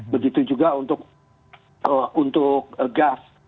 begitu juga untuk gas